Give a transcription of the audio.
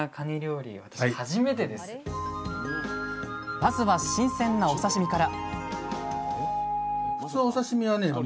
まずは新鮮なお刺身から！